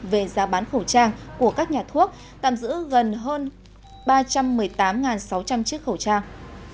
về giá bán khẩu trang của các nhà thuốc tạm giữ gần hơn ba trăm một mươi tám sáu trăm linh chiếc khẩu trang